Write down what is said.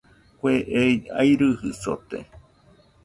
Kue ei airɨjɨ sote.